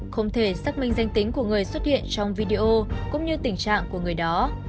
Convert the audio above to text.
không thể xác minh danh tính của người xuất hiện trong video cũng như tình trạng của người đó